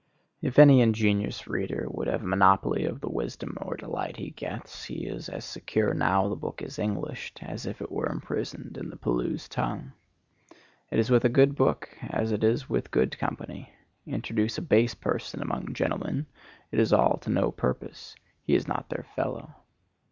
If any ingenious reader would have a monopoly of the wisdom or delight he gets, he is as secure now the book is Englished, as if it were imprisoned in the Pelews' tongue. It is with a good book as it is with good company. Introduce a base person among gentlemen, it is all to no purpose; he is not their fellow.